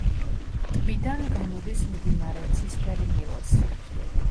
ტბიდან გამოდის მდინარე ცისფერი ნილოსი.